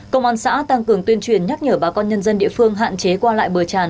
công an xã tăng cường tuyên truyền nhắc nhở bà con nhân dân địa phương hạn chế qua lại bờ tràn